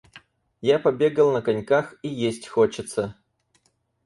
Я побегал на коньках, и есть хочется.